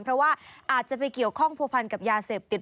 เพราะว่าอาจจะไปเกี่ยวข้องผัวพันกับยาเสพติด